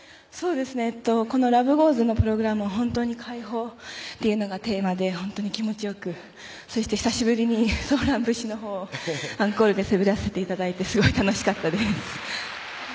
この「ＬｏｖｅＧｏｅｓ」のプログラムは本当に開放というのがテーマで本当に気持ち良くそして久しぶりに「ソーラン節」をアンコールで滑らせていただいてすごい楽しかったです。